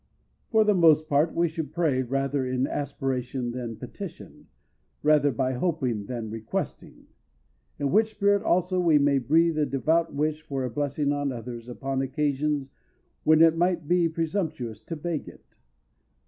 For the most part, we should pray rather in aspiration than petition, rather by hoping than requesting; in which spirit, also, we may breathe a devout wish for a blessing on others upon occasions when it might be presumptuous to beg it.